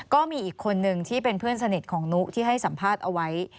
ก็มีอีกคนนึงที่เป็นเพื่อนสนิทของนุที่ให้สัมภาษณ์เอาไว้